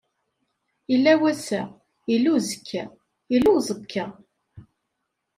Illa wass-a, illa uzekka, illa uẓekka.